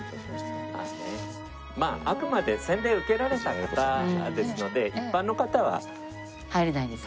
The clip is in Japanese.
あくまで洗礼を受けられた方ですので一般の方は。入れないんですね。